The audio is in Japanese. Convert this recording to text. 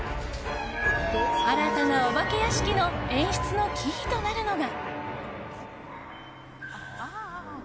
新たなお化け屋敷の演出のキーとなるのが。